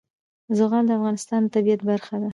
زغال د افغانستان د طبیعت برخه ده.